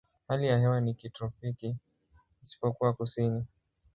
Hali ya hewa ni ya kitropiki isipokuwa kusini.